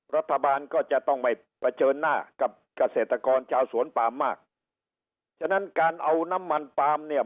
รัฐบาลก็จะต้องไม่เผชิญหน้ากับเกษตรกรชาวสวนปามมากฉะนั้นการเอาน้ำมันปาล์มเนี่ย